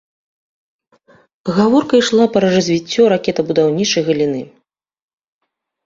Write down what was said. Гаворка ішла пра развіццё ракетабудаўнічай галіны.